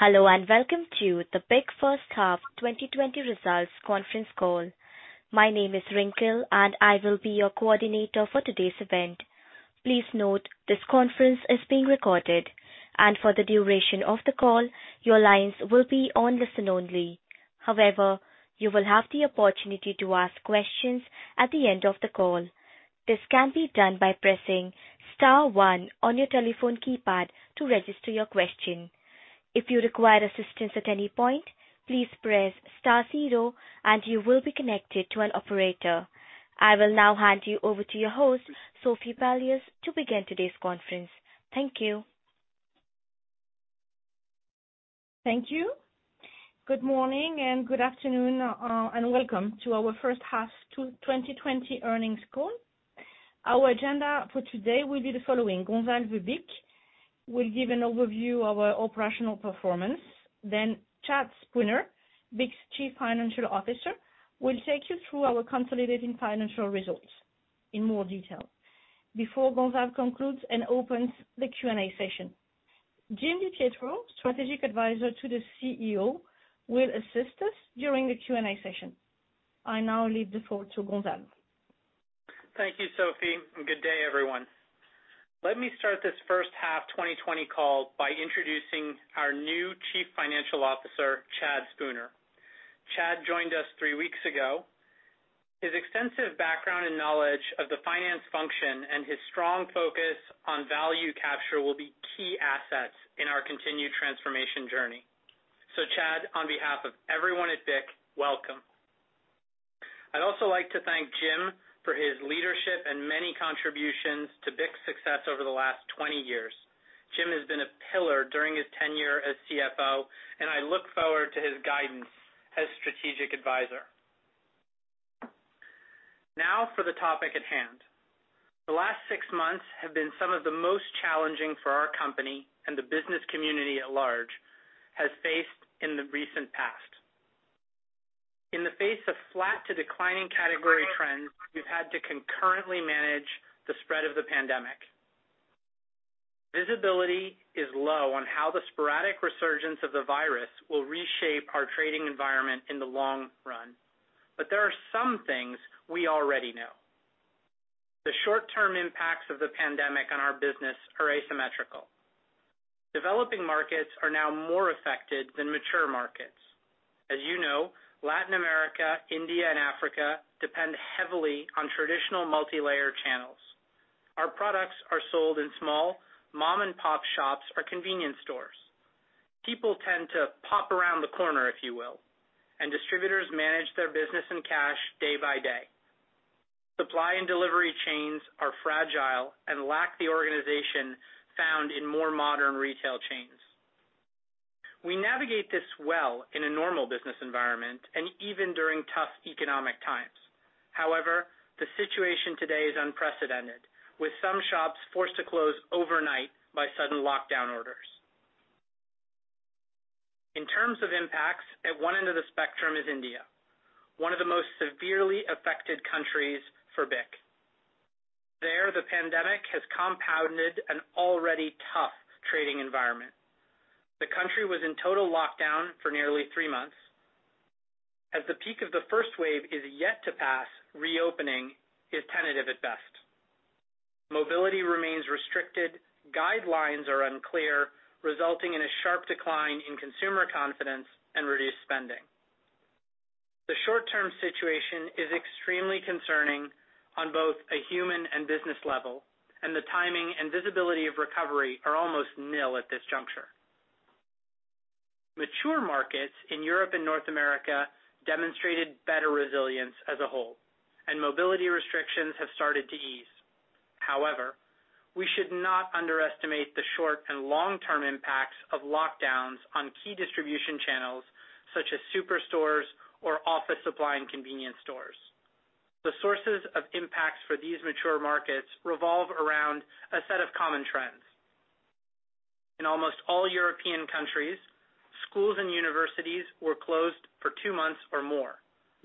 Hello, and welcome to the BIC First Half 2020 Results Conference Call. My name is Rinkel, and I will be your coordinator for today's event. Please note this conference is being recorded, and for the duration of the call, your lines will be on listen only. You will have the opportunity to ask questions at the end of the call. This can be done by pressing star one on your telephone keypad to register your question. If you require assistance at any point, please press star zero and you will be connected to an operator. I will now hand you over to your host, Sophie Palliez, to begin today's conference. Thank you. Thank you. Good morning, and good afternoon, and welcome to our First Half 2020 Earnings Call. Our agenda for today will be the following: Gonzalve Bich will give an overview of our operational performance, then Chad Spooner, BIC's Chief Financial Officer, will take you through our consolidated financial results in more detail. Before Gonzalve concludes and opens the Q&A session, Jim DiPietro, Strategic Advisor to the CEO, will assist us during the Q&A session. I now leave the floor to Gonzalve. Thank you, Sophie, and good day, everyone. Let me start this first half 2020 call by introducing our new Chief Financial Officer, Chad Spooner. Chad joined us three weeks ago. His extensive background and knowledge of the finance function and his strong focus on value capture will be key assets in our continued transformation journey. Chad, on behalf of everyone at BIC, welcome. I'd also like to thank Jim for his leadership and many contributions to BIC's success over the last 20 years. Jim has been a pillar during his tenure as CFO, and I look forward to his guidance as Strategic Advisor. For the topic at hand. The last six months have been some of the most challenging for our company and the business community at large has faced in the recent past. In the face of flat to declining category trends, we've had to concurrently manage the spread of the pandemic. Visibility is low on how the sporadic resurgence of the virus will reshape our trading environment in the long run, but there are some things we already know. The short-term impacts of the pandemic on our business are asymmetrical. Developing markets are now more affected than mature markets. As you know, Latin America, India, and Africa depend heavily on traditional multilayer channels. Our products are sold in small mom-and-pop shops or convenience stores. People tend to pop around the corner, if you will, and distributors manage their business in cash day by day. Supply and delivery chains are fragile and lack the organization found in more modern retail chains. We navigate this well in a normal business environment and even during tough economic times. However, the situation today is unprecedented, with some shops forced to close overnight by sudden lockdown orders. In terms of impacts, at one end of the spectrum is India, one of the most severely affected countries for BIC. There, the pandemic has compounded an already tough trading environment. The country was in total lockdown for nearly three months. As the peak of the first wave is yet to pass, reopening is tentative at best. Mobility remains restricted. Guidelines are unclear, resulting in a sharp decline in consumer confidence and reduced spending. The short-term situation is extremely concerning on both a human and business level, and the timing and visibility of recovery are almost nil at this juncture. Mature markets in Europe and North America demonstrated better resilience as a whole, and mobility restrictions have started to ease. However, we should not underestimate the short and long-term impacts of lockdowns on key distribution channels such as superstores or office supply and convenience stores. The sources of impacts for these mature markets revolve around a set of common trends. In almost all European countries, schools and universities were closed for two months or more.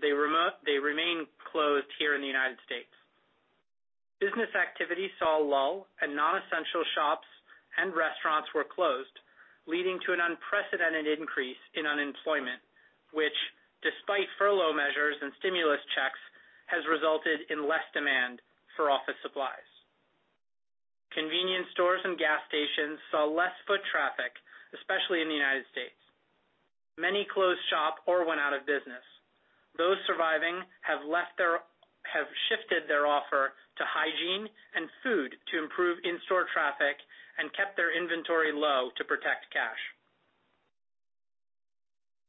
They remain closed here in the United States. Business activity saw a lull, and non-essential shops and restaurants were closed, leading to an unprecedented increase in unemployment, which, despite furlough measures and stimulus checks, has resulted in less demand for office supplies. Convenience stores and gas stations saw less foot traffic, especially in the United States. Many closed shop or went out of business. Those surviving have shifted their offer to hygiene and food to improve in-store traffic and kept their inventory low to protect cash.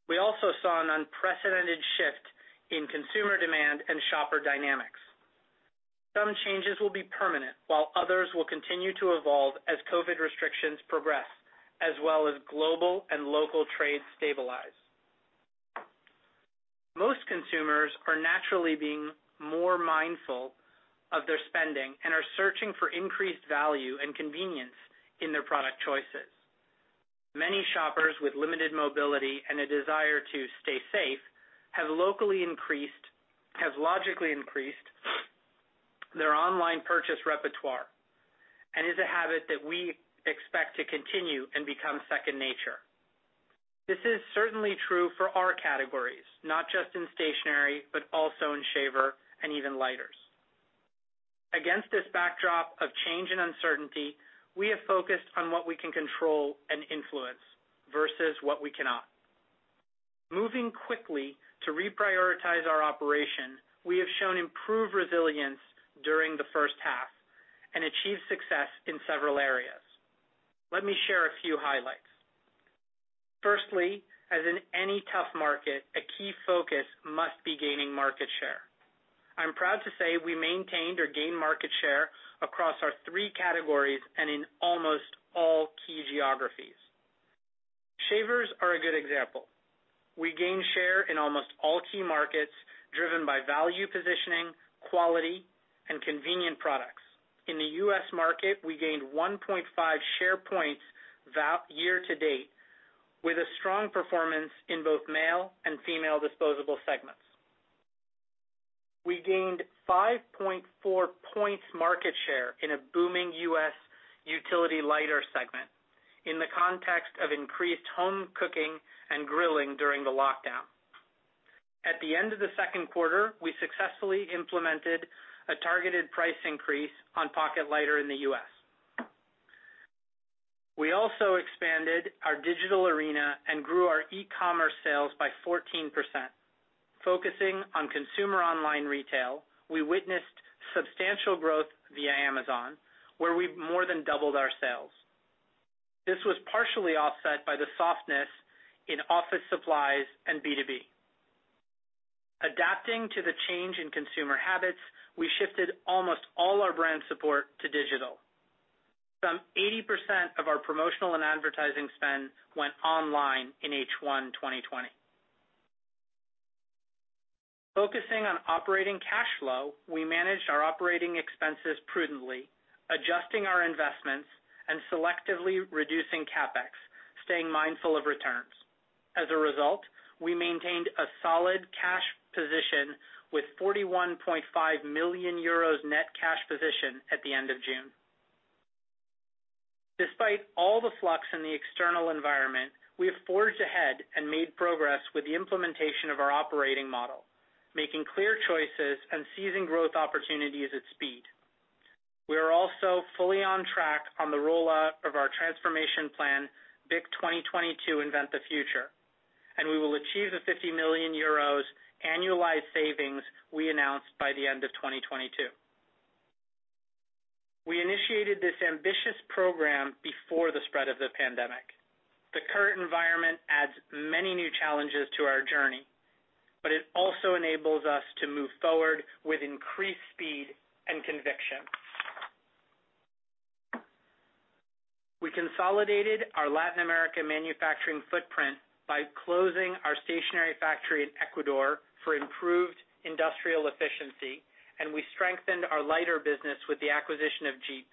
We also saw an unprecedented shift in consumer demand and shopper dynamics. Some changes will be permanent, while others will continue to evolve as COVID restrictions progress, as well as global and local trade stabilize. Most consumers are naturally being more mindful of their spending and are searching for increased value and convenience in their product choices. Many shoppers with limited mobility and a desire to stay safe have logically increased their online purchase repertoire, and is a habit that we expect to continue and become second nature. This is certainly true for our categories, not just in stationery, but also in shaver and even lighters. Against this backdrop of change and uncertainty, we have focused on what we can control and influence versus what we cannot. Moving quickly to reprioritize our operation, we have shown improved resilience during the first half and achieved success in several areas. Let me share a few highlights. Firstly, as in any tough market, a key focus must be gaining market share. I'm proud to say we maintained or gained market share across our three categories and in almost all key geographies. Shavers are a good example. We gained share in almost all key markets, driven by value positioning, quality, and convenient products. In the U.S. market, we gained 1.5 share points year-to-date, with a strong performance in both male and female disposable segments. We gained 5.4 points market share in a booming U.S. utility lighter segment in the context of increased home cooking and grilling during the lockdown. At the end of the second quarter, we successfully implemented a targeted price increase on pocket lighter in the U.S. We also expanded our digital arena and grew our e-commerce sales by 14%, focusing on consumer online retail, we witnessed substantial growth via Amazon, where we've more than doubled our sales. This was partially offset by the softness in office supplies and B2B. Adapting to the change in consumer habits, we shifted almost all our brand support to digital. Some 80% of our promotional and advertising spend went online in H1 2020. Focusing on operating cash flow, we managed our operating expenses prudently, adjusting our investments and selectively reducing CapEx, staying mindful of returns. As a result, we maintained a solid cash position with 41.5 million euros net cash position at the end of June. Despite all the flux in the external environment, we have forged ahead and made progress with the implementation of our operating model, making clear choices and seizing growth opportunities at speed. We are also fully on track on the rollout of our transformation plan, BIC 2022 Invent the Future. We will achieve the 50 million euros annualized savings we announced by the end of 2022. We initiated this ambitious program before the spread of the pandemic. The current environment adds many new challenges to our journey. It also enables us to move forward with increased speed and conviction. We consolidated our Latin America manufacturing footprint by closing our stationery factory in Ecuador for improved industrial efficiency. We strengthened our lighter business with the acquisition of Djeep.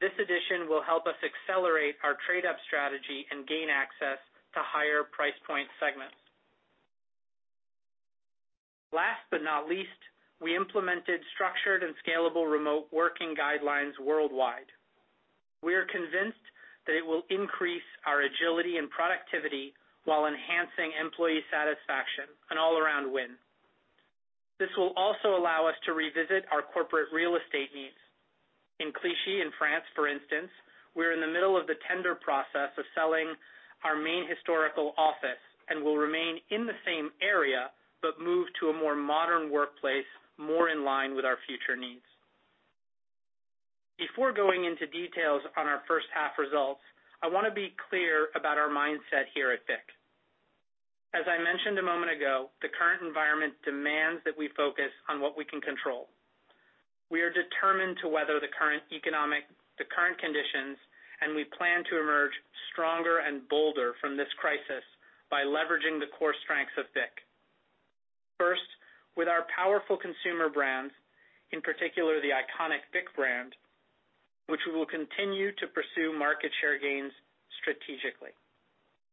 This addition will help us accelerate our trade-up strategy and gain access to higher price point segments. Last but not least, we implemented structured and scalable remote working guidelines worldwide. We are convinced that it will increase our agility and productivity while enhancing employee satisfaction, an all-around win. This will also allow us to revisit our corporate real estate needs. In Clichy, in France, for instance, we're in the middle of the tender process of selling our main historical office and will remain in the same area but move to a more modern workplace, more in line with our future needs. Before going into details on our first half results, I want to be clear about our mindset here at BIC. As I mentioned a moment ago, the current environment demands that we focus on what we can control. We are determined to weather the current conditions, and we plan to emerge stronger and bolder from this crisis by leveraging the core strengths of BIC. First, with our powerful consumer brands, in particular, the iconic BIC brand, which we will continue to pursue market share gains strategically.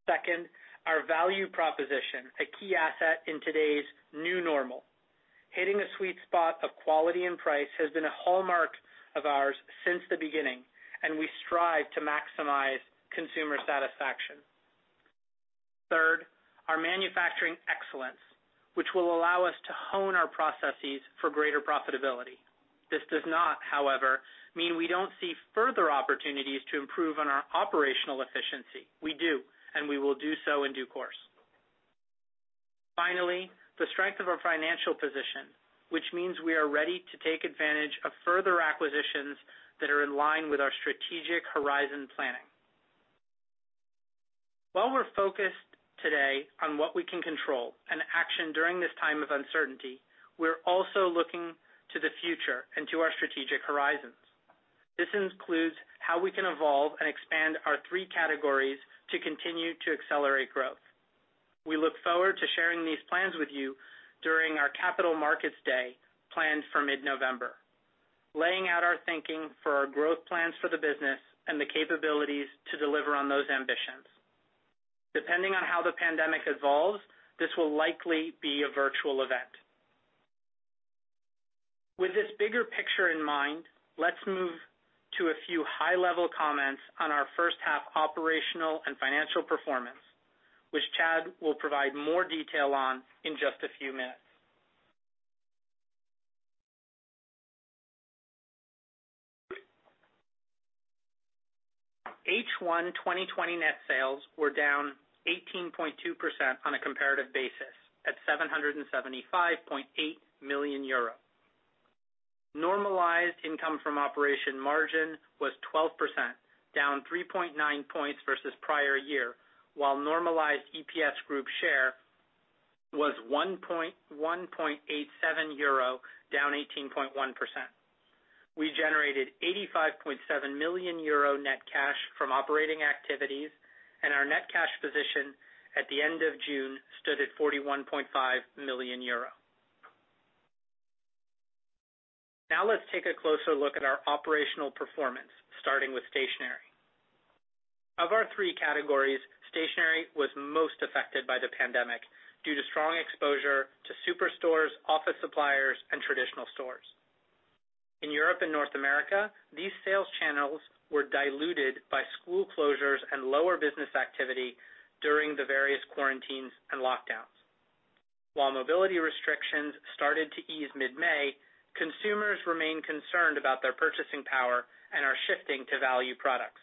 Second, our value proposition, a key asset in today's new normal. Hitting a sweet spot of quality and price has been a hallmark of ours since the beginning, and we strive to maximize consumer satisfaction. Third, our manufacturing excellence, which will allow us to hone our processes for greater profitability. This does not, however, mean we don't see further opportunities to improve on our operational efficiency. We do, and we will do so in due course. Finally, the strength of our financial position, which means we are ready to take advantage of further acquisitions that are in line with our strategic Horizon planning. While we're focused today on what we can control and action during this time of uncertainty, we're also looking to the future and to our strategic Horizons. This includes how we can evolve and expand our three categories to continue to accelerate growth. We look forward to sharing these plans with you during our Capital Markets Day planned for mid-November, laying out our thinking for our growth plans for the business and the capabilities to deliver on those ambitions. Depending on how the pandemic evolves, this will likely be a virtual event. With this bigger picture in mind, let's move to a few high-level comments on our first half operational and financial performance, which Chad will provide more detail on in just a few minutes. H1 2020 net sales were down 18.2% on a comparative basis at 775.8 million euros. Normalized Income From Operations margin was 12%, down 3.9 points versus prior year, while normalized EPS group share was 1.87 euro, down 18.1%. We generated 85.7 million euro net cash from operating activities, and our net cash position at the end of June stood at 41.5 million euro. Now let's take a closer look at our operational performance, starting with stationery. Of our three categories, stationery was most affected by the pandemic due to strong exposure to superstores, office suppliers, and traditional stores. In Europe and North America, these sales channels were diluted by school closures and lower business activity during the various quarantines and lockdowns. While mobility restrictions started to ease mid-May, consumers remain concerned about their purchasing power and are shifting to value products.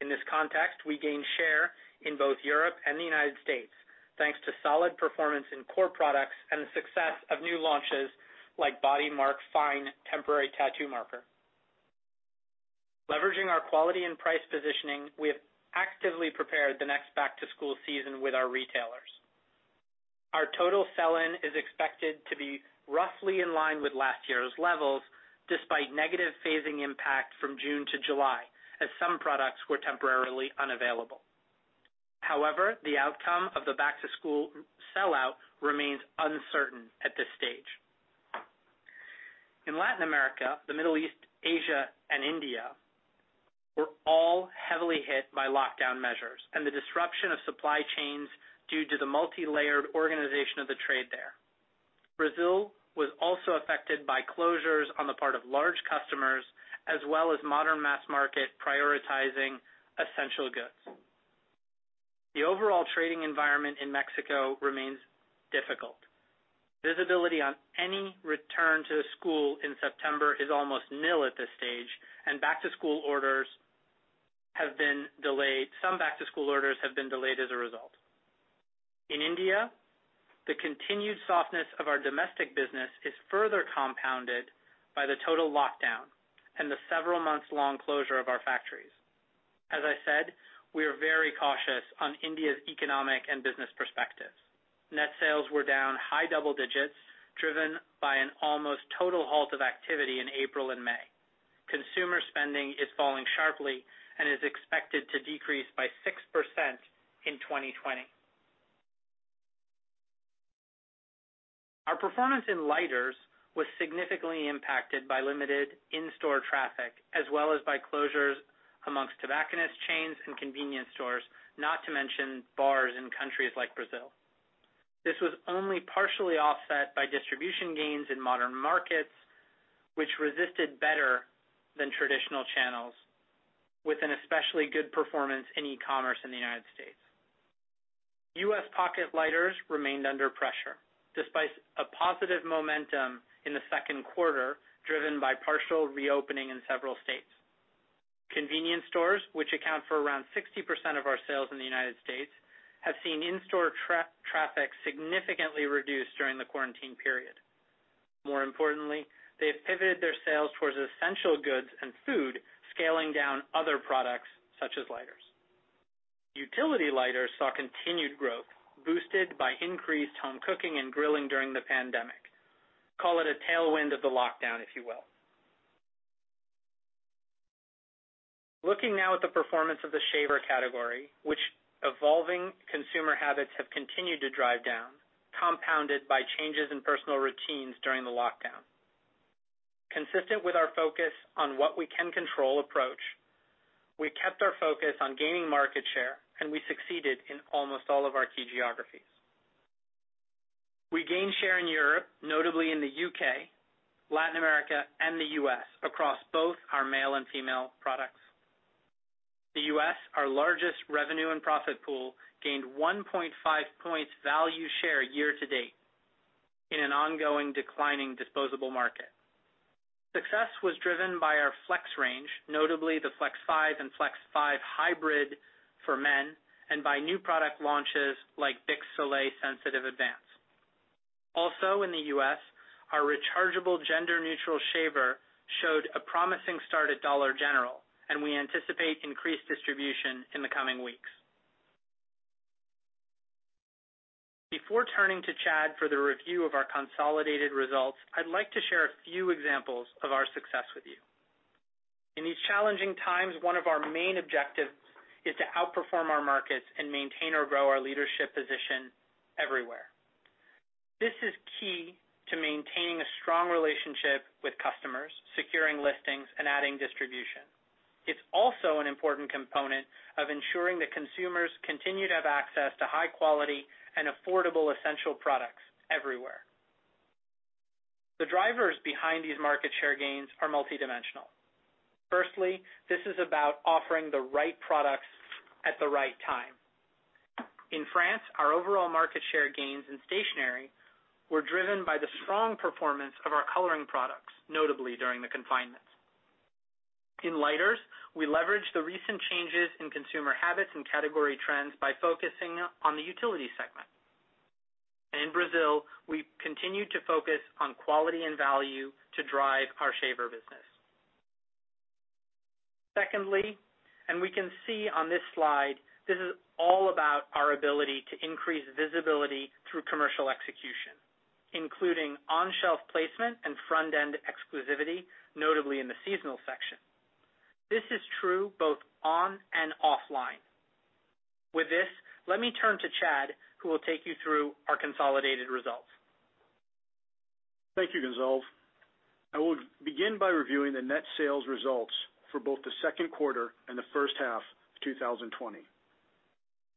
In this context, we gained share in both Europe and the United States, thanks to solid performance in core products and the success of new launches like BodyMark Fine Tip Temporary Tattoo Marker. Leveraging our quality and price positioning, we have actively prepared the next back-to-school season with our retailers. Our total sell-in is expected to be roughly in line with last year's levels, despite negative phasing impact from June to July, as some products were temporarily unavailable. However, the outcome of the back-to-school sell-out remains uncertain at this stage. In Latin America, the Middle East, Asia, and India were all heavily hit by lockdown measures and the disruption of supply chains due to the multilayer organization of the trade there. Brazil was also affected by closures on the part of large customers, as well as modern mass market prioritizing essential goods. The overall trading environment in Mexico remains difficult. Visibility on any return-to-school in September is almost nil at this stage, and some back-to-school orders have been delayed as a result. In India, the continued softness of our domestic business is further compounded by the total lockdown and the several months-long closure of our factories. As I said, we are very cautious on India's economic and business perspectives. Net sales were down high double digits, driven by an almost total halt of activity in April and May. Consumer spending is falling sharply and is expected to decrease by 6% in 2020. Our performance in lighters was significantly impacted by limited in-store traffic, as well as by closures amongst tobacconist chains and convenience stores, not to mention bars in countries like Brazil. This was only partially offset by distribution gains in modern markets, which resisted better than traditional channels, with an especially good performance in e-commerce in the United States. U.S. pocket lighters remained under pressure, despite a positive momentum in the second quarter, driven by partial reopening in several states. Convenience stores, which account for around 60% of our sales in the United States, have seen in-store traffic significantly reduced during the quarantine period. More importantly, they've pivoted their sales towards essential goods and food, scaling down other products such as lighters. Utility lighters saw continued growth, boosted by increased home cooking and grilling during the pandemic. Call it a tailwind of the lockdown, if you will. Looking now at the performance of the shaver category, which evolving consumer habits have continued to drive down, compounded by changes in personal routines during the lockdown. Consistent with our focus on what we can control approach, we kept our focus on gaining market share, and we succeeded in almost all of our key geographies. We gained share in Europe, notably in the U.K., Latin America, and the U.S., across both our male and female products. The U.S., our largest revenue and profit pool, gained 1.5 points value share year-to-date in an ongoing declining disposable market. Success was driven by our Flex range, notably the Flex 5 and Flex 5 Hybrid for men, and by new product launches like BIC Soleil Sensitive Advanced. In the U.S., our rechargeable gender-neutral shaver showed a promising start at Dollar General, and we anticipate increased distribution in the coming weeks. Before turning to Chad for the review of our consolidated results, I'd like to share a few examples of our success with you. In these challenging times, one of our main objectives is to outperform our markets and maintain or grow our leadership position everywhere. This is key strong relationship with customers, securing listings and adding distribution. It's also an important component of ensuring that consumers continue to have access to high-quality and affordable essential products everywhere. The drivers behind these market share gains are multidimensional. Firstly, this is about offering the right products at the right time. In France, our overall market share gains in stationery were driven by the strong performance of our coloring products, notably during the confinements. In lighters, we leveraged the recent changes in consumer habits and category trends by focusing on the utility segment. In Brazil, we continued to focus on quality and value to drive our shaver business. Secondly, we can see on this slide, this is all about our ability to increase visibility through commercial execution, including on-shelf placement and front-end exclusivity, notably in the seasonal section. This is true both on and offline. With this, let me turn to Chad, who will take you through our consolidated results. Thank you, Gonzalve. I will begin by reviewing the net sales results for both the second quarter and the first half of 2020.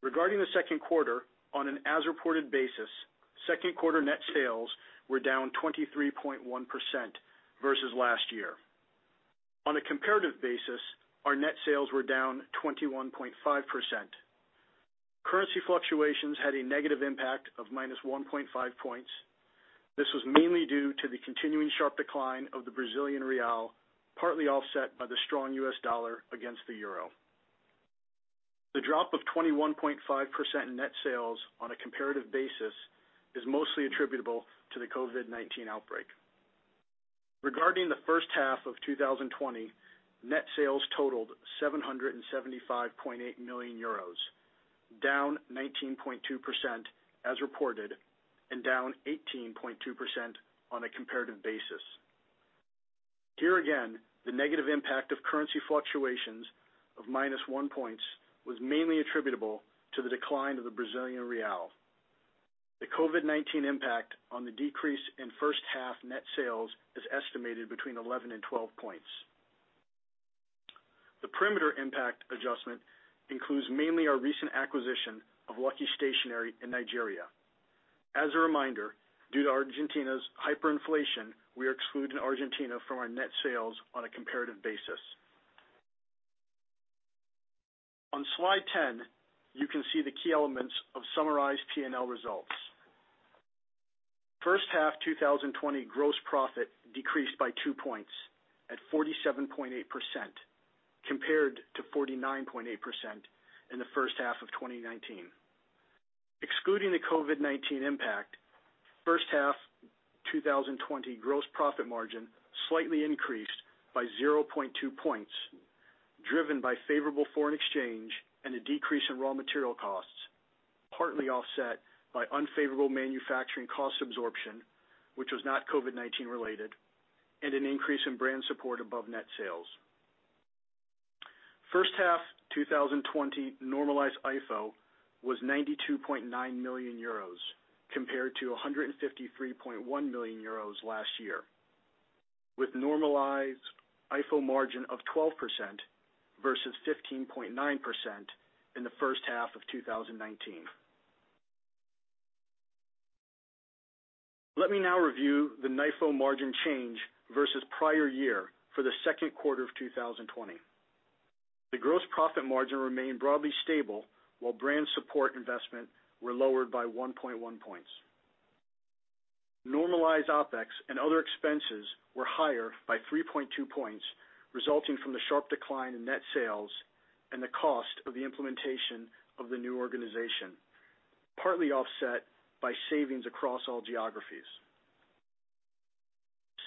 Regarding the second quarter, on an as-reported basis, second quarter net sales were down 23.1% versus last year. On a comparative basis, our net sales were down 21.5%. Currency fluctuations had a negative impact of -1.5 points. This was mainly due to the continuing sharp decline of the Brazilian real, partly offset by the strong U.S. dollar against the euro. The drop of 21.5% net sales on a comparative basis is mostly attributable to the COVID-19 outbreak. Regarding the first half of 2020, net sales totaled 775.8 million euros, down 19.2% as reported and down 18.2% on a comparative basis. Here again, the negative impact of currency fluctuations of -1 points was mainly attributable to the decline of the Brazilian real. The COVID-19 impact on the decrease in first-half net sales is estimated between 11 and 12 points. The perimeter impact adjustment includes mainly our recent acquisition of Lucky Stationery in Nigeria. As a reminder, due to Argentina's hyperinflation, we are excluding Argentina from our net sales on a comparative basis. On Slide 10, you can see the key elements of summarized P&L results. First half 2020 gross profit decreased by 2 points at 47.8% compared to 49.8% in the first half of 2019. Excluding the COVID-19 impact, first half 2020 gross profit margin slightly increased by 0.2 points, driven by favorable foreign exchange and a decrease in raw material costs, partly offset by unfavorable manufacturing cost absorption, which was not COVID-19 related, and an increase in brand support above net sales. First half 2020 normalized IFO was 92.9 million euros compared to 153.1 million euros last year, with normalized IFO margin of 12% versus 15.9% in the first half of 2019. Let me now review the NIFO margin change versus prior year for the second quarter of 2020. The gross profit margin remained broadly stable while brand support investment were lowered by 1.1 points. Normalized OpEx and other expenses were higher by 3.2 points, resulting from the sharp decline in net sales and the cost of the implementation of the new organization, partly offset by savings across all geographies.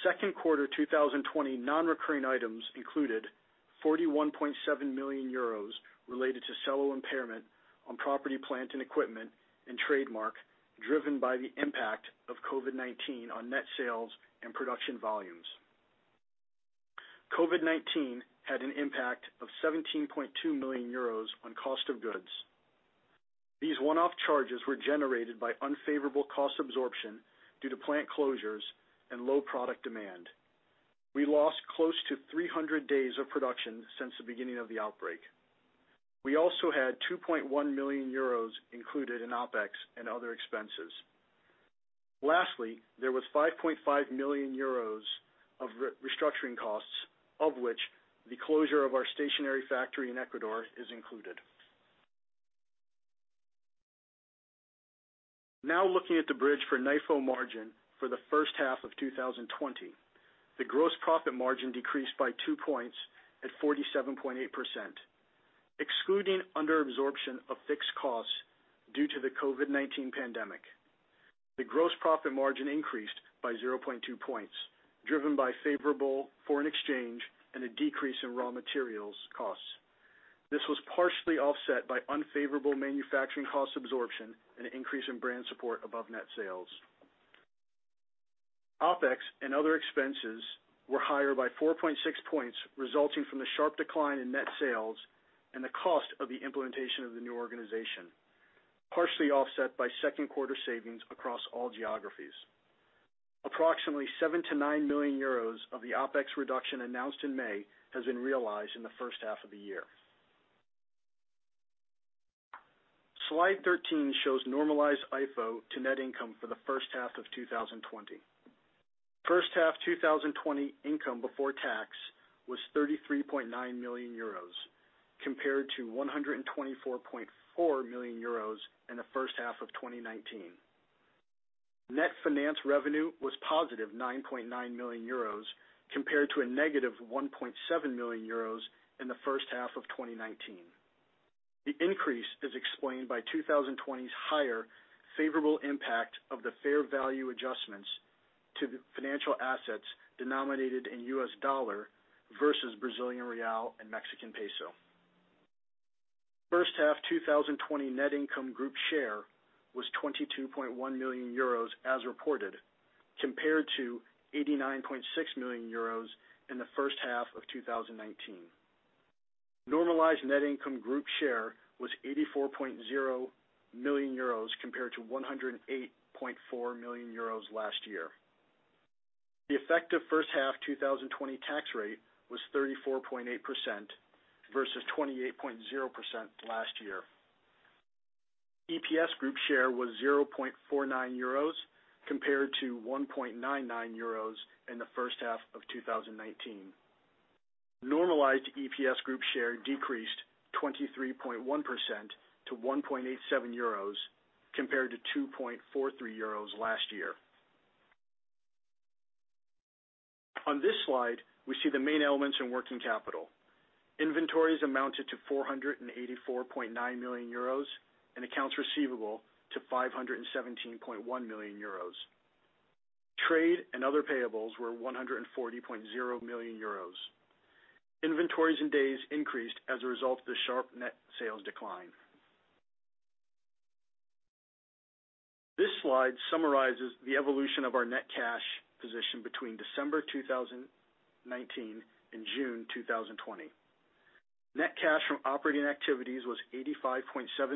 Second quarter 2020 non-recurring items included 41.7 million euros related to Cello impairment on property, plant, and equipment and trademark driven by the impact of COVID-19 on net sales and production volumes. COVID-19 had an impact of 17.2 million euros on cost of goods. These one-off charges were generated by unfavorable cost absorption due to plant closures and low product demand. We lost close to 300 days of production since the beginning of the outbreak. We also had 2.1 million euros included in OpEx and other expenses. Lastly, there was 5.5 million euros of restructuring costs, of which the closure of our stationery factory in Ecuador is included. Now looking at the bridge for NIFO margin for the first half of 2020. The gross profit margin decreased by 2 points at 47.8%. Excluding under absorption of fixed costs due to the COVID-19 pandemic, the gross profit margin increased by 0.2 points, driven by favorable foreign exchange and a decrease in raw materials costs. This was partially offset by unfavorable manufacturing cost absorption and an increase in brand support above net sales. OpEx and other expenses were higher by 4.6 points, resulting from the sharp decline in net sales and the cost of the implementation of the new organization. Partially offset by second quarter savings across all geographies. Approximately 7 million-9 million euros of the OpEx reduction announced in May has been realized in the first half of the year. Slide 13 shows normalized IFO to net income for the first half of 2020. First half 2020 income before tax was 33.9 million euros, compared to 124.4 million euros in the first half of 2019. Net finance revenue was +9.9 million euros, compared to a -1.7 million euros in the first half of 2019. The increase is explained by 2020's higher favorable impact of the fair value adjustments to the financial assets denominated in U.S. dollar versus Brazilian real and Mexican peso. First half 2020 net income group share was 22.1 million euros as reported, compared to 89.6 million euros in the first half of 2019. Normalized net income group share was 84.0 million euros compared to 108.4 million euros last year. The effective first half 2020 tax rate was 34.8% versus 28.0% last year. EPS group share was 0.49 euros compared to 1.99 euros in the first half of 2019. Normalized EPS group share decreased 23.1% to 1.87 euros compared to 2.43 euros last year. On this slide, we see the main elements in working capital. Inventories amounted to 484.9 million euros and accounts receivable to 517.1 million euros. Trade and other payables were 140.0 million euros. Inventories in days increased as a result of the sharp net sales decline. This slide summarizes the evolution of our net cash position between December 2019 and June 2020. Net cash from operating activities was 85.7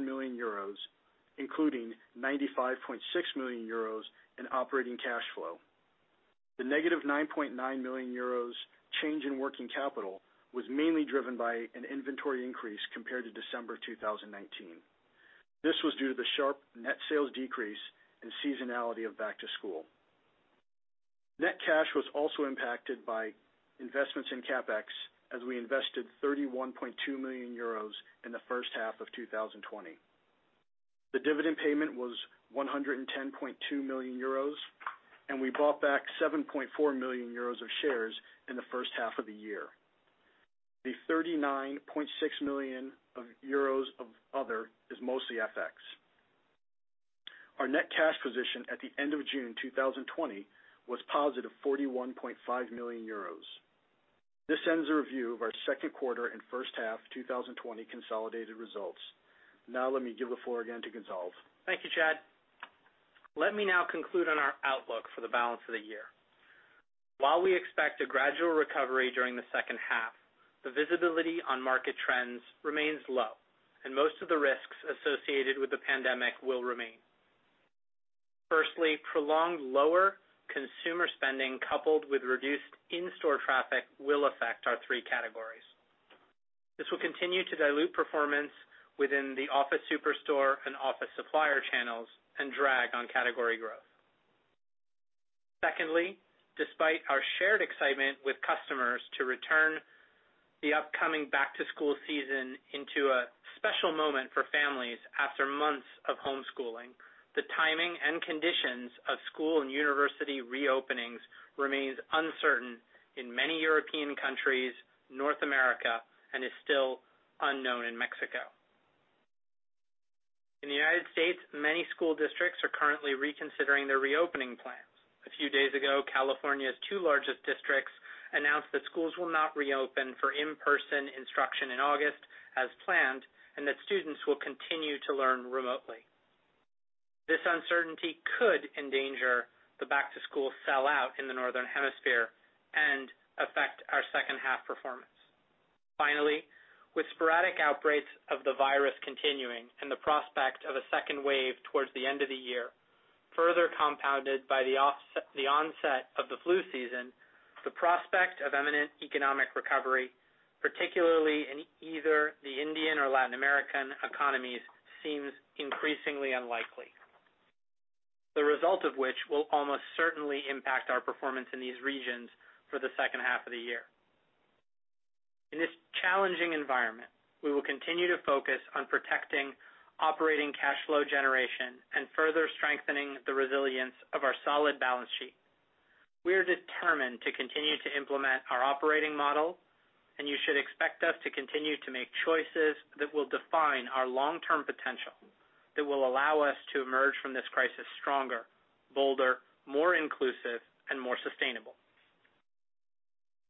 million euros, including 95.6 million euros in operating cash flow. The -9.9 million euros change in working capital was mainly driven by an inventory increase compared to December 2019. This was due to the sharp net sales decrease and seasonality of back to school. Net cash was also impacted by investments in CapEx, as we invested 31.2 million euros in the first half of 2020. The dividend payment was 110.2 million euros, and we bought back 7.4 million euros of shares in the first half of the year. The 39.6 million euros of other is mostly FX. Our net cash position at the end of June 2020 was +41.5 million euros. This ends the review of our second quarter and first half 2020 consolidated results. Let me give the floor again to Gonzalve. Thank you, Chad. Let me now conclude on our outlook for the balance of the year. While we expect a gradual recovery during the second half, the visibility on market trends remains low, and most of the risks associated with the pandemic will remain. Firstly, prolonged lower consumer spending, coupled with reduced in-store traffic, will affect our three categories. This will continue to dilute performance within the office superstore and office supplier channels and drag on category growth. Secondly, despite our shared excitement with customers to return the upcoming back-to-school season into a special moment for families after months of homeschooling, the timing and conditions of school and university reopenings remains uncertain in many European countries, North America, and is still unknown in Mexico. In the United States, many school districts are currently reconsidering their reopening plans. A few days ago, California's two largest districts announced that schools will not reopen for in-person instruction in August as planned, and that students will continue to learn remotely. This uncertainty could endanger the back-to-school sellout in the Northern Hemisphere and affect our second half performance. Finally, with sporadic outbreaks of the virus continuing and the prospect of a second wave towards the end of the year, further compounded by the onset of the flu season, the prospect of imminent economic recovery, particularly in either the Indian or Latin American economies, seems increasingly unlikely. The result of which will almost certainly impact our performance in these regions for the second half of the year. In this challenging environment, we will continue to focus on protecting operating cash flow generation and further strengthening the resilience of our solid balance sheet. We are determined to continue to implement our operating model, and you should expect us to continue to make choices that will define our long-term potential, that will allow us to emerge from this crisis stronger, bolder, more inclusive, and more sustainable.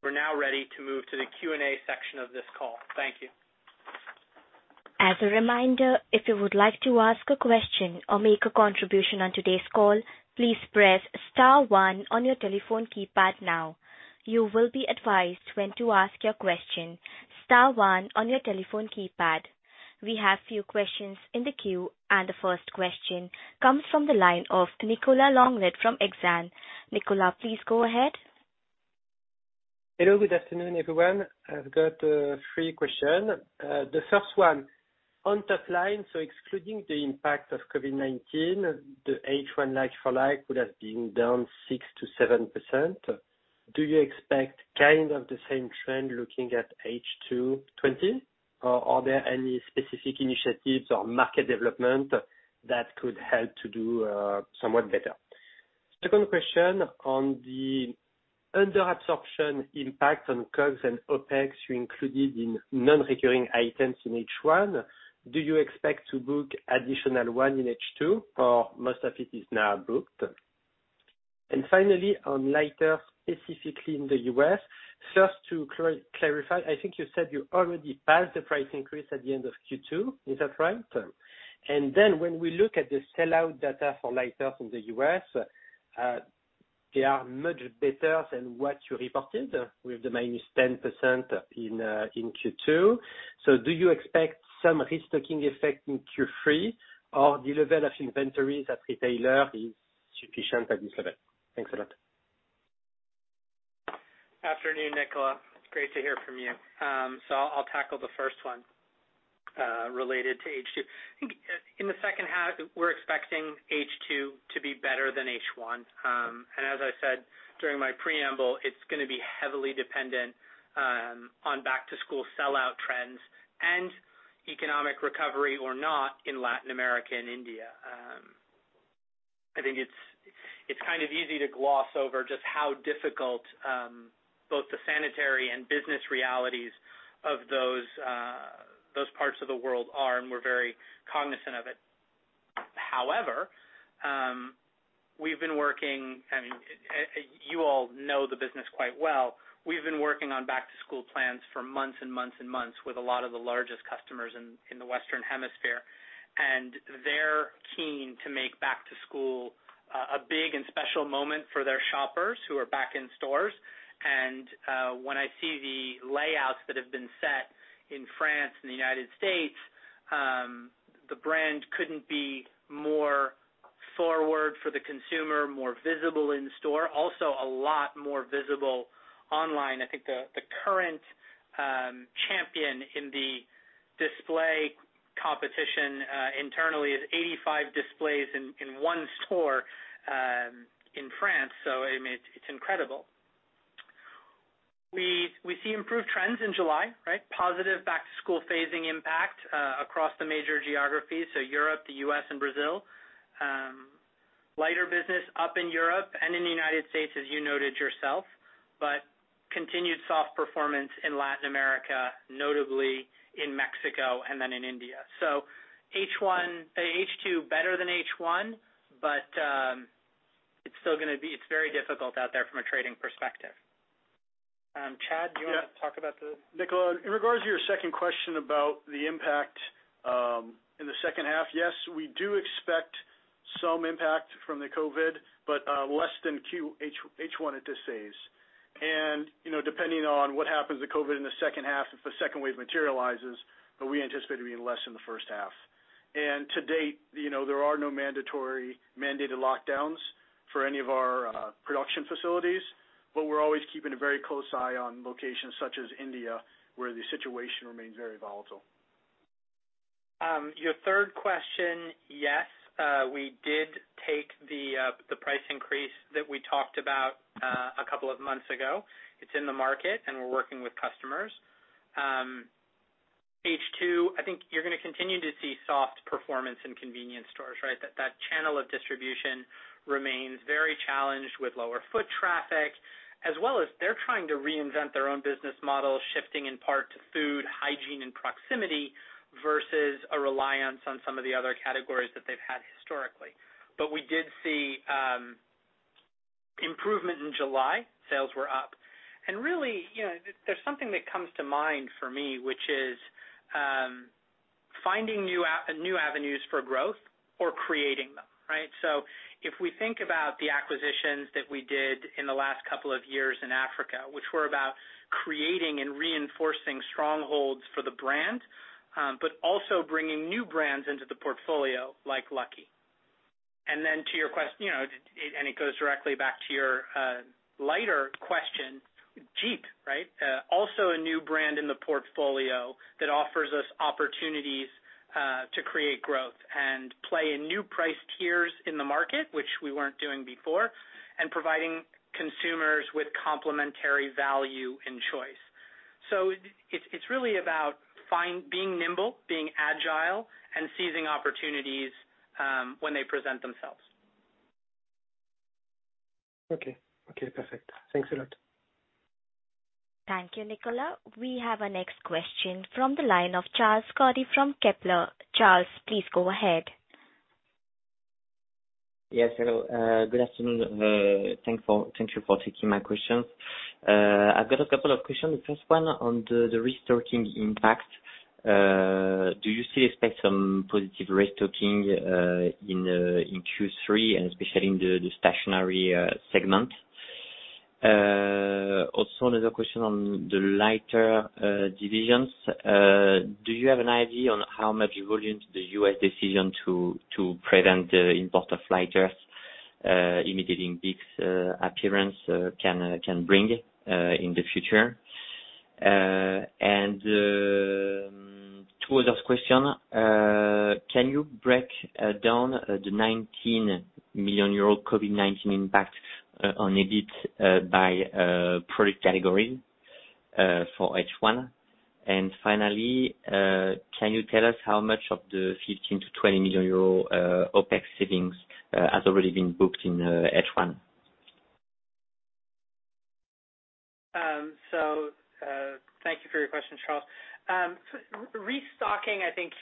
We're now ready to move to the Q&A section of this call. Thank you. As a reminder, if you would like to ask a question or make a contribution on today's call, please press star one on your telephone keypad now. You will be advised when to ask your question. Star one on your telephone keypad. We have your questions in the queue. The first question comes from the line of Nicolas Langlet from Exane. Nicolas, please go ahead. Hello, good afternoon, everyone. I've got three questions. The first one, on top line, excluding the impact of COVID-19, the H1 like-for-like would have been down 6%-7%. Do you expect kind of the same trend looking at H2 2020? Are there any specific initiatives or market development that could help to do somewhat better? Second question on the under absorption impact on COGS and OPEX you included in non-recurring items in H1, do you expect to book additional one in H2, or most of it is now booked? Finally, on lighter, specifically in the U.S., first to clarify, I think you said you already passed the price increase at the end of Q2. Is that right? When we look at the sellout data for lighter from the U.S., they are much better than what you reported with the -10% in Q2. Do you expect some restocking effect in Q3 or the level of inventories at retailer is sufficient at this level? Thanks a lot. Afternoon, Nicolas. It's great to hear from you. I'll tackle the first one, related to H2. I think in the second half, we're expecting H2 to be better than H1. As I said during my preamble, it's gonna be heavily dependent on back-to-school sellout trends and economic recovery or not in Latin America and India. I think it's kind of easy to gloss over just how difficult both the sanitary and business realities of those parts of the world are, and we're very cognizant of it. However, You all know the business quite well. We've been working on back-to-school plans for months and months and months with a lot of the largest customers in the Western Hemisphere. They're keen to make back to school a big and special moment for their shoppers who are back in stores. When I see the layouts that have been set in France and the United States, the brand couldn't be more forward for the consumer, more visible in store, also a lot more visible online. I think the current champion in the display competition internally is 85 displays in one store in France. I mean, it's incredible. We see improved trends in July, right? Positive back-to-school phasing impact across the major geographies, so Europe, the U.S., and Brazil. Lighter business up in Europe and in the U.S., as you noted yourself, but continued soft performance in Latin America, notably in Mexico and then in India. H2 better than H1, but it's still very difficult out there from a trading perspective. Chad, do you want to talk about the- Nicolas, in regards to your second question about the impact, in the second half, yes, we do expect some impact from the COVID, but less than H1 at this phase. Depending on what happens with COVID in the second half, if a second wave materializes, we anticipate it being less than the first half. To date, there are no mandated lockdowns for any of our production facilities. We're always keeping a very close eye on locations such as India, where the situation remains very volatile. Your third question, yes, we did take the price increase that we talked about a couple of months ago. It's in the market. We're working with customers. H2, I think you're gonna continue to see soft performance in convenience stores, right? That channel of distribution remains very challenged with lower foot traffic, as well as they're trying to reinvent their own business model, shifting in part to food, hygiene, and proximity versus a reliance on some of the other categories that they've had historically. We did see improvement in July. Sales were up. Really, there's something that comes to mind for me, which is finding new avenues for growth or creating them, right? If we think about the acquisitions that we did in the last couple of years in Africa, which were about creating and reinforcing strongholds for the brand, but also bringing new brands into the portfolio, like Lucky. It goes directly back to your lighter question, Djeep, right? Also a new brand in the portfolio that offers us opportunities to create growth and play in new price tiers in the market, which we weren't doing before, and providing consumers with complementary value and choice. It's really about being nimble, being agile, and seizing opportunities when they present themselves. Okay. Perfect. Thanks a lot. Thank you, Nicolas. We have our next question from the line of Charles Scotti from Kepler. Charles, please go ahead. Yes, hello. Good afternoon. Thank you for taking my questions. I've got a couple of questions. The first one on the restocking impact. Do you still expect some positive restocking in Q3 and especially in the stationery segment? Another question on the lighter divisions. Do you have an idea on how much volume the U.S. decision to prevent the import of lighters imitating BIC's appearance can bring in the future? Two other questions. Can you break down the 19 million euro COVID-19 impact on EBIT by product category for H1? Finally, can you tell us how much of the 15 million-20 million euro OpEx savings has already been booked in H1? Thank you for your question, Charles. Restocking, I think,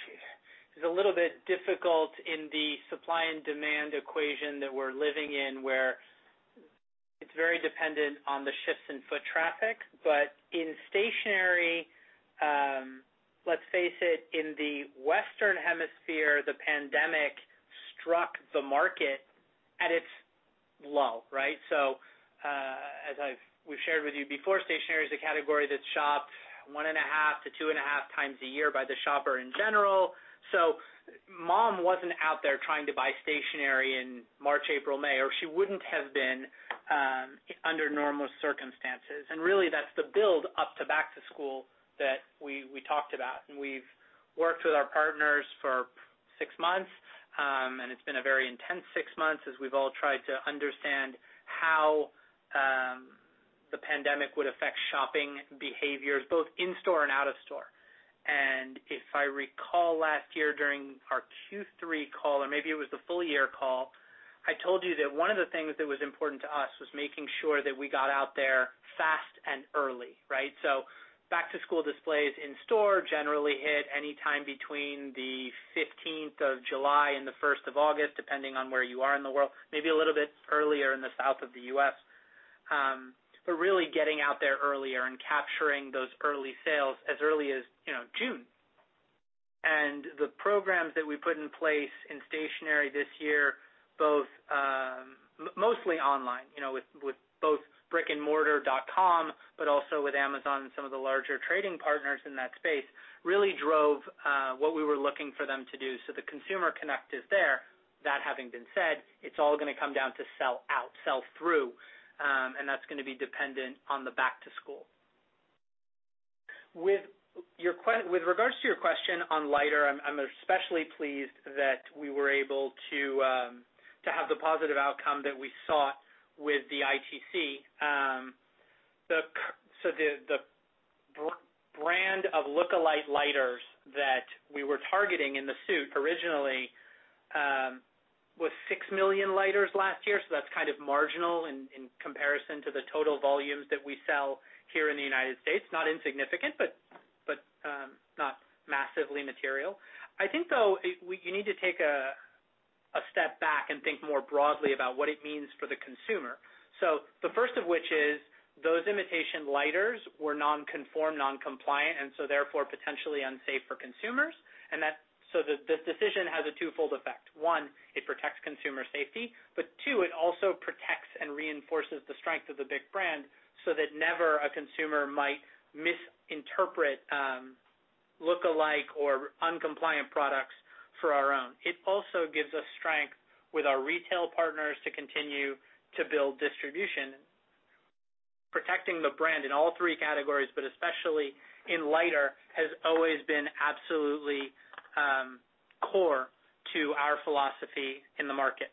is a little bit difficult in the supply and demand equation that we're living in, where it's very dependent on the shifts in foot traffic. But in stationery, let's face it, in the Western Hemisphere, the pandemic struck the market at its low, right? As we've shared with you before, stationery is a category that's shopped one and a half to two and a half times a year by the shopper in general. Mom wasn't out there trying to buy stationery in March, April, May, or she wouldn't have been under normal circumstances. Really that's the build up to back to school that we talked about. We've worked with our partners for six months, it's been a very intense six months as we've all tried to understand how the pandemic would affect shopping behaviors, both in store and out of store. If I recall last year during our Q3 call, or maybe it was the full year call, I told you that one of the things that was important to us was making sure that we got out there fast and early, right? Back-to-school displays in store generally hit any time between the 15th of July and the 1st of August, depending on where you are in the world. Maybe a little bit earlier in the South of the U.S. Really getting out there earlier and capturing those early sales as early as June. The programs that we put in place in stationery this year, mostly online, with both brick-and-mortar.com, but also with Amazon and some of the larger trading partners in that space, really drove what we were looking for them to do. The consumer connect is there. That having been said, it's all going to come down to sell out, sell through, and that's going to be dependent on the back to school. Regards to your question on lighter, I'm especially pleased that we were able to have the positive outcome that we sought with the ITC. The brand of lookalike lighters that we were targeting in the suit originally was six million lighters last year, so that's kind of marginal in comparison to the total volumes that we sell here in the United States. Not insignificant, but not massively material. I think, though, you need to take a step back and think more broadly about what it means for the consumer. The first of which is those imitation lighters were non-conformed, non-compliant, therefore potentially unsafe for consumers. This decision has a twofold effect. One, it protects consumer safety, but two, it also protects and reinforces the strength of the BIC brand so that never a consumer might misinterpret lookalike or non-compliant products for our own. It also gives us strength with our retail partners to continue to build distribution. Protecting the brand in all three categories, but especially in lighter, has always been absolutely core to our philosophy in the market.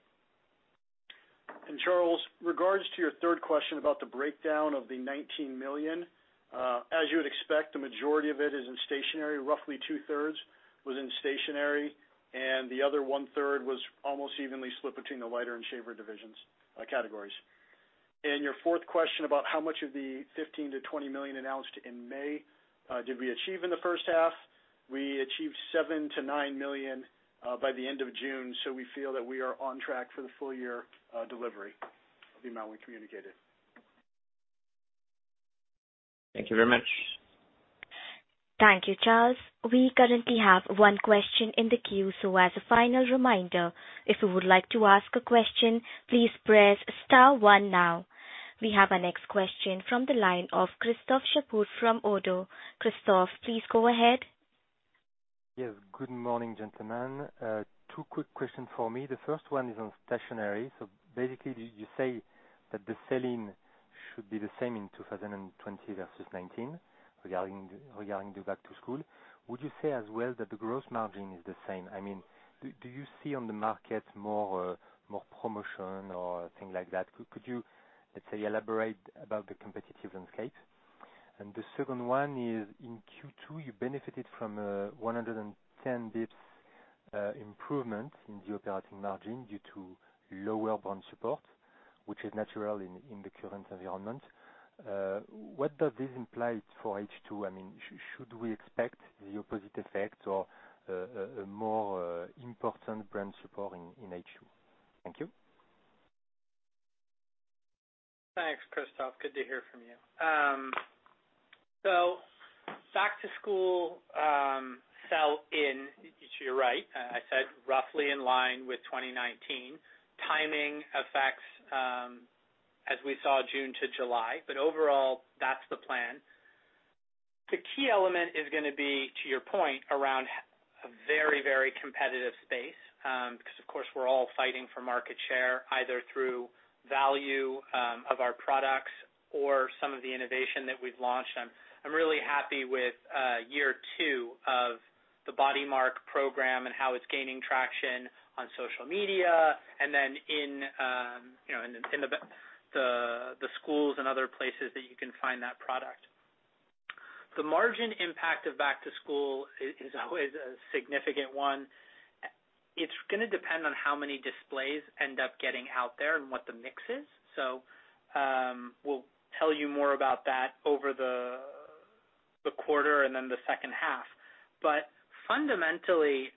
Charles, regards to your third question about the breakdown of the 19 million. As you would expect, the majority of it is in stationery. Roughly 2/3 was in stationery, and the other 1/3 was almost evenly split between the lighter and shaver categories. Your fourth question about how much of the 15 million-20 million announced in May did we achieve in the first half? We achieved 7 million-9 million by the end of June, so we feel that we are on track for the full year delivery of the amount we communicated. Thank you very much. Thank you, Charles. We currently have one question in the queue, so as a final reminder, if you would like to ask a question, please press star one now. We have our next question from the line of Christophe Chaput from Oddo. Christophe, please go ahead. Yes. Good morning, gentlemen. Two quick questions for me. The first one is on stationery. Basically, did you say that the selling should be the same in 2020 versus 2019 regarding the back to school? Would you say as well that the gross margin is the same? I mean, do you see on the market more promotion or things like that? Could you, let's say, elaborate about the competitive landscape? The second one is, in Q2, you benefited from 110 basis points improvement in the operating margin due to lower brand support, which is natural in the current environment. What does this imply for H2? I mean, should we expect the opposite effect or a more important brand support in H2? Thank you. Thanks, Christophe. Good to hear from you. Back to school. Right. I said roughly in line with 2019. Timing affects as we saw June to July, overall, that's the plan. The key element is going to be, to your point, around a very competitive space, of course, we're all fighting for market share, either through value of our products or some of the innovation that we've launched. I'm really happy with year two of the BodyMark program and how it's gaining traction on social media, and then in the schools and other places that you can find that product. The margin impact of back to school is always a significant one. It's going to depend on how many displays end up getting out there and what the mix is. We'll tell you more about that over the quarter and then the second half. Fundamentally,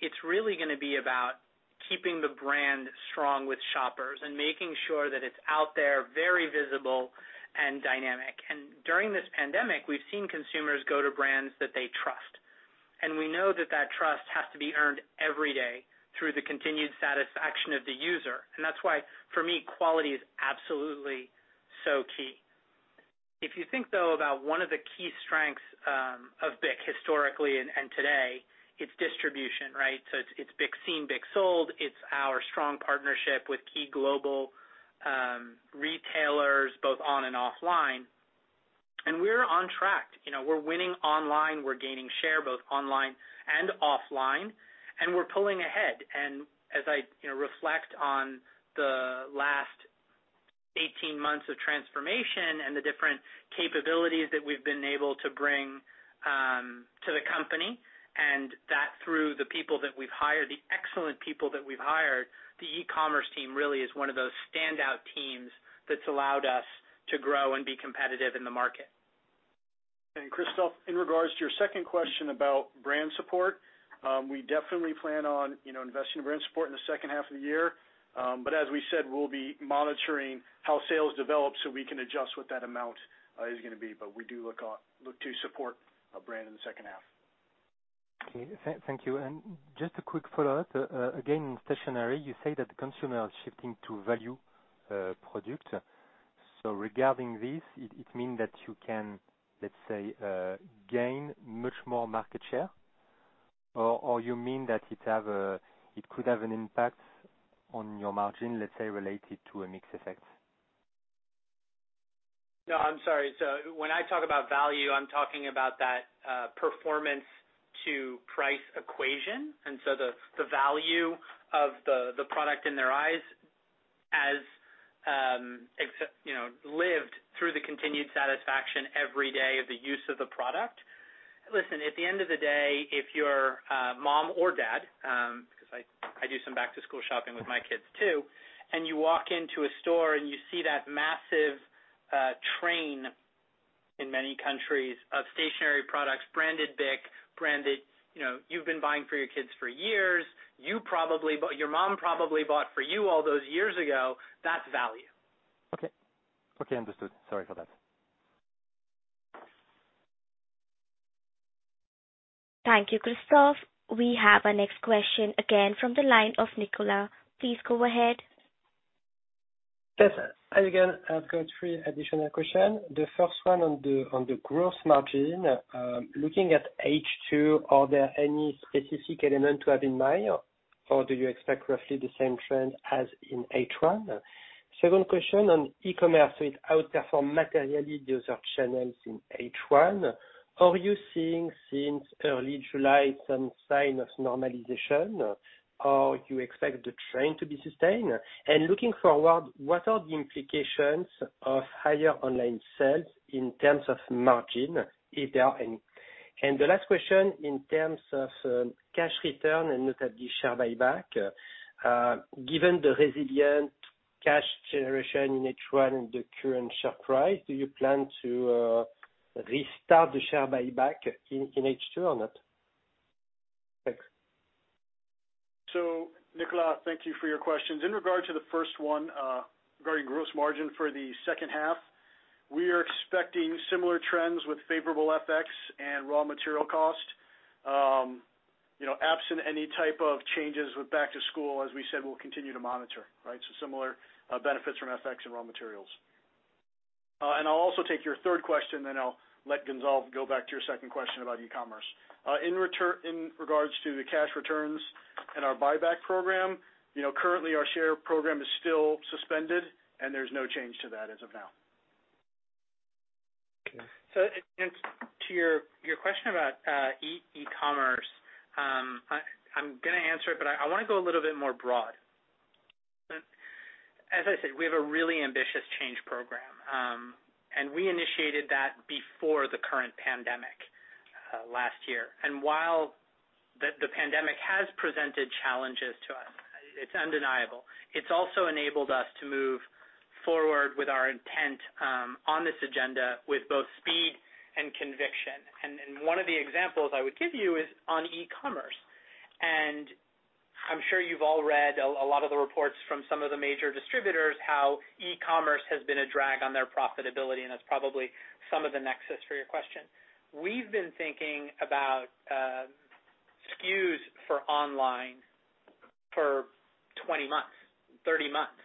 it's really going to be about keeping the brand strong with shoppers and making sure that it's out there, very visible and dynamic. During this pandemic, we've seen consumers go to brands that they trust. We know that that trust has to be earned every day through the continued satisfaction of the user. That's why, for me, quality is absolutely so key. If you think, though, about one of the key strengths of BIC historically and today, it's distribution, right? It's BIC Seen, BIC Sold. It's our strong partnership with key global retailers, both on and offline. We're on track. We're winning online, we're gaining share both online and offline, and we're pulling ahead. As I reflect on the last 18 months of transformation and the different capabilities that we've been able to bring to the company, through the excellent people that we've hired, the e-commerce team really is one of those standout teams that's allowed us to grow and be competitive in the market. Christophe, in regards to your second question about brand support. We definitely plan on investing in brand support in the second half of the year. As we said, we'll be monitoring how sales develop so we can adjust what that amount is going to be. We do look to support our brand in the second half. Okay. Thank you. Just a quick follow-up. Again, in stationery, you say that the consumer are shifting to value product. Regarding this, it means that you can, let's say, gain much more market share? You mean that it could have an impact on your margin, let's say, related to a mix effect? No, I'm sorry. When I talk about value, I'm talking about that performance to price equation. The value of the product in their eyes as lived through the continued satisfaction every day of the use of the product. Listen, at the end of the day, if you're a mom or dad, because I do some back-to-school shopping with my kids, too, and you walk into a store, and you see that massive train in many countries of stationery products, branded BIC, you've been buying for your kids for years. Your mom probably bought for you all those years ago. That's value. Okay. Understood. Sorry for that. Thank you, Christophe. We have our next question again from the line of Nicolas. Please go ahead. Yes. Hi again. I've got three additional questions. The first one on the gross margin. Looking at H2, are there any specific element to have in mind, or do you expect roughly the same trend as in H1? Second question on e-commerce. It outperformed materially those other channels in H1. Are you seeing since early July some sign of normalization? You expect the trend to be sustained? Looking forward, what are the implications of higher online sales in terms of margin, if there are any? The last question in terms of cash return and notably share buyback. Given the resilient cash generation in H1 and the current share price, do you plan to restart the share buyback in H2 or not? Thanks. Nicolas, thank you for your questions. In regard to the first one, regarding gross margin for the second half, we are expecting similar trends with favorable FX and raw material cost. Absent any type of changes with back to school, as we said, we'll continue to monitor, right? Similar benefits from FX and raw materials. I'll also take your third question, then I'll let Gonzalve go back to your second question about e-commerce. In regards to the cash returns and our buyback program, currently our share program is still suspended, and there's no change to that as of now. To your question about e-commerce. I'm going to answer it, but I want to go a little bit more broad. As I said, we have a really ambitious change program, and we initiated that before the current pandemic last year. While the pandemic has presented challenges to us, it's undeniable. It's also enabled us to move forward with our intent on this agenda with both speed and conviction. One of the examples I would give you is on e-commerce. I'm sure you've all read a lot of the reports from some of the major distributors, how e-commerce has been a drag on their profitability, and that's probably some of the nexus for your question. We've been thinking about SKUs for online for 20 months, 30 months.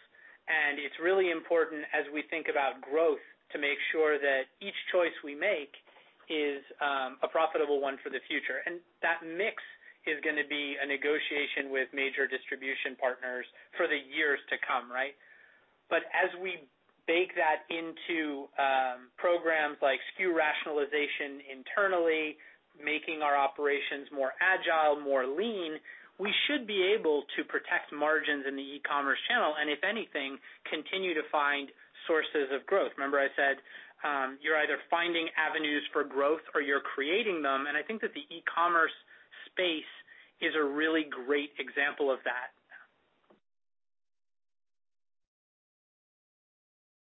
It's really important as we think about growth, to make sure that each choice we make is a profitable one for the future. That mix is going to be a negotiation with major distribution partners for the years to come, right? As we bake that into programs like SKU rationalization internally, making our operations more agile, more lean, we should be able to protect margins in the e-commerce channel, and if anything, continue to find sources of growth. Remember I said, you're either finding avenues for growth or you're creating them, and I think that the e-commerce space is a really great example of that.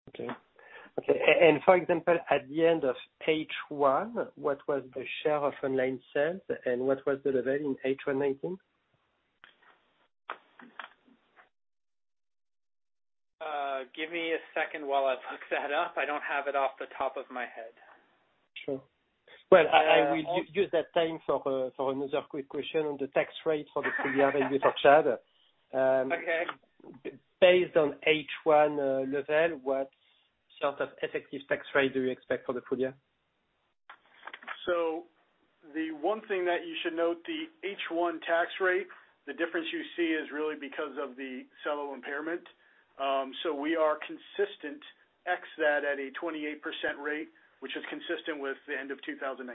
Okay. For example, at the end of H1, what was the share of online sales and what was the level in H1 2018? Give me a second while I look that up. I don't have it off the top of my head. Sure. Well, I will use that time for another quick question on the tax rate for the full year that you touched on. Okay. Based on H1 level, what sort of effective tax rate do you expect for the full year? The one thing that you should note, the H1 tax rate, the difference you see is really because of the Cello impairment. We are consistent, x that at a 28% rate, which is consistent with the end of 2019.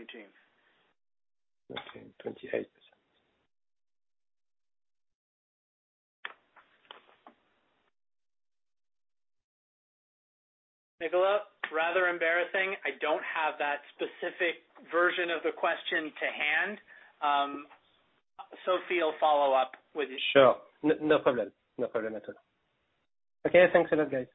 Okay. 28%. Nicolas, rather embarrassing, I don't have that specific version of the question to hand. Sophie will follow up with you. Sure. No problem. No problem at all. Okay, thanks a lot, guys.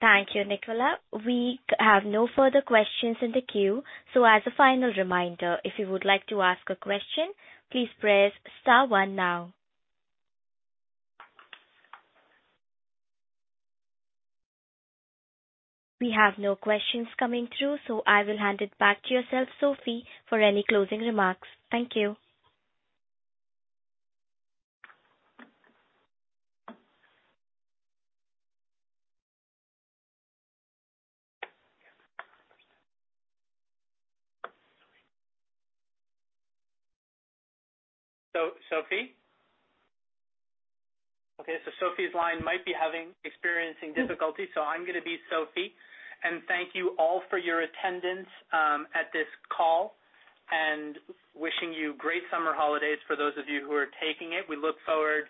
Thank you, Nicolas. We have no further questions in the queue. As a final reminder, if you would like to ask a question, please press star one now. We have no questions coming through, so I will hand it back to yourself, Sophie, for any closing remarks. Thank you. Sophie? Okay, Sophie's line might be experiencing difficulty. I'm going to be Sophie, and thank you all for your attendance at this call, and wishing you great summer holidays for those of you who are taking it. We look forward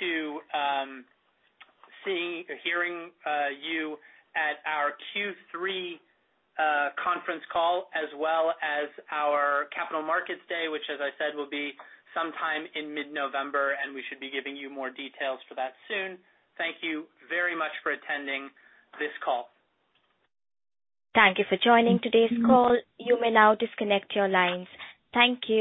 to seeing or hearing you at our Q3 conference call, as well as our Capital Markets Day, which as I said, will be sometime in mid-November, and we should be giving you more details for that soon. Thank you very much for attending this call. Thank you for joining today's call. You may now disconnect your lines. Thank you.